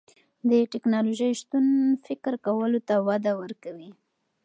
د تکنالوژۍ شتون فکر کولو ته وده ورکوي.